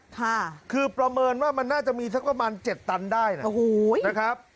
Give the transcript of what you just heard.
ค่ะคือประเมินว่ามันน่าจะมีสักประมาณเจ็ดตันได้นะโอ้โหนะครับ